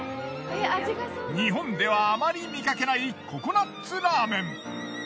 日本ではあまり見かけないココナッツラーメン。